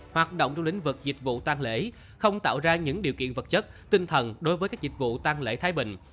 hoạt động trong lĩnh vực dịch vụ tăng lễ không tạo ra những điều kiện vật chất tinh thần đối với các dịch vụ tăng lễ thái bình